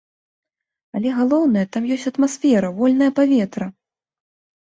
Але, галоўнае, там ёсць атмасфера, вольнае паветра!